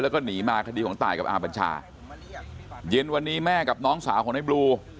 แล้วก็หนีมาคดีของตายกับอาบัญชาเย็นวันนี้แม่กับน้องสาวของในบลู